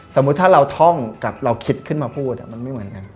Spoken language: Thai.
สมมุติถ้าเราท่องกับเราคิดขึ้นมาพูดมันไม่เหมือนกัน